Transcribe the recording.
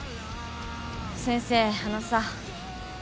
先生あのさ。